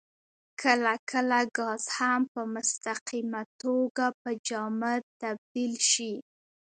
کله کله ګاز هم په مستقیمه توګه په جامد تبدیل شي.